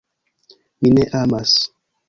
"Mi ne amas."